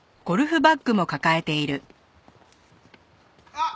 あっ！